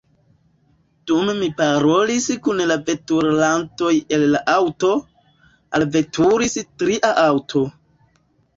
Dum ni parolis kun la veturantoj el la aŭto, alveturis tria aŭto.